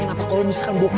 tidak harus hidup